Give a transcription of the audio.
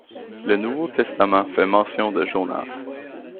Le Nouveau Testament fait mention de Jonas.